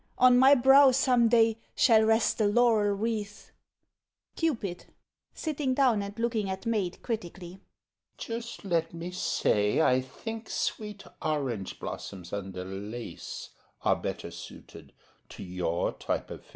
On my brow some day Shall rest the laurel wreath— CUPID (sitting down and looking at MAID critically) Just let me say I think sweet orange blossoms under lace Are better suited to your type of face.